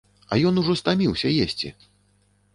А ён ужо стаміўся есці!